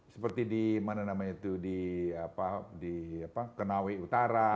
seperti di mana namanya itu di apa di apa kenawi utara